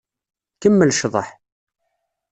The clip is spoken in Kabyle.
Kemmel ccḍeḥ.